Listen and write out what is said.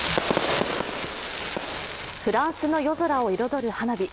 フランスの夜空を彩る花火。